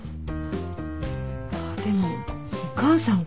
あっでもお母さんか。